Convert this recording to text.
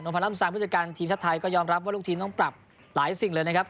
อ๋อโนโพนับสรุปสร้างวิเศษการทีมชาตัยก็ยอมรับว่าลูกทีมต้องปรับหลายสิ่งเลยนะครับ